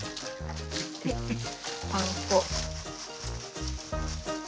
パン粉。